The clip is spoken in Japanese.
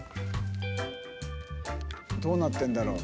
どうなってんだろう？